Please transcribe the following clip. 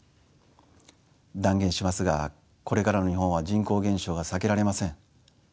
断言しますがこれからの日本は人口減少が避けられません。